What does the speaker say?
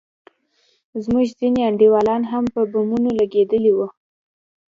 زموږ ځينې انډيوالان هم په بمونو لگېدلي وو.